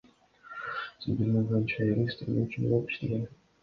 Цой — билими боюнча юрист, тергөөчү болуп иштеген.